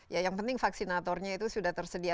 ya yang penting vaksinatornya itu sudah tersedia